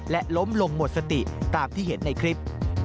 และล้มลงหมดสติตามที่เห็นในคลิป